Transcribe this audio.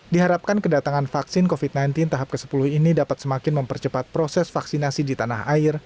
diharapkan kedatangan vaksin covid sembilan belas tahap ke sepuluh ini dapat semakin mempercepat proses vaksinasi di tanah air